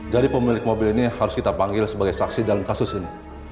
jadi pemilik mobil ini harus kita panggil sebagai saksi dalam kasus ini